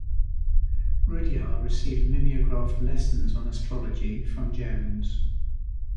Rudhyar received mimeographed lessons on astrology from Jones.